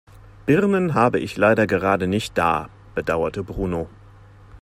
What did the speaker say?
Birnen habe ich leider gerade nicht da, bedauerte Bruno.